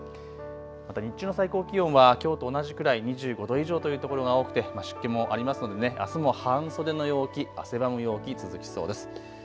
また日中の最高気温はきょうと同じくらい、２５度以上という所が多くて湿気もありますのであすも半袖の陽気、汗ばむ陽気、続きそうです。